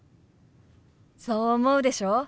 そう思うでしょ？